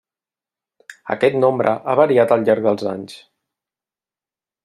Aquest nombre ha variat al llarg dels anys.